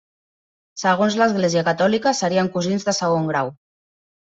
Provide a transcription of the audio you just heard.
Segons l'Església Catòlica, serien cosins de segon grau.